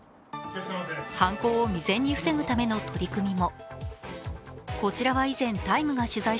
犯行を未然に防ぐための取り組みも。